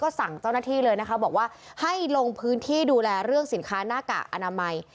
สั่งเจ้าหน้าที่เลยนะคะบอกว่าให้ลงพื้นที่ดูแลเรื่องสินค้าหน้ากากอนามัย